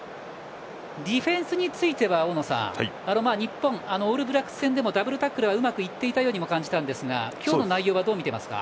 ディフェンスについては大野さん日本、オールブラックス戦でもダブルタックルはうまくいっていたように感じますが今日の内容はどう見ていますか？